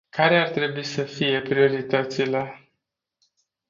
Care ar trebui să fie prioritățile?